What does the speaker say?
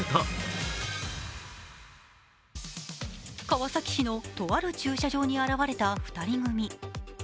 川崎市のとある駐車場に現れた２人組。